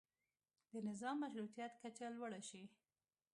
د نظام مشروطیت کچه لوړه شي.